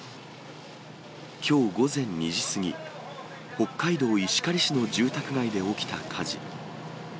きょう午前２時過ぎ、北海道石狩市の住宅街で起きた火事。